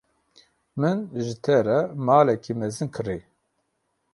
Min ji te re maleke mezin kirî.